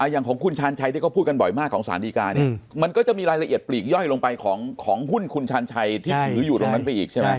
อย่างของคุณชาญชัยที่เขาพูดกันบ่อยมากของสารดีการเนี่ยมันก็จะมีรายละเอียดปลีกย่อยลงไปของหุ้นคุณชาญชัยที่ถืออยู่ตรงนั้นไปอีกใช่ไหม